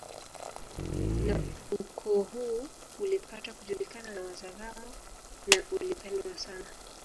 Na ukoo huu ulipata kujulikana na Wazaramo na ulipendwa sana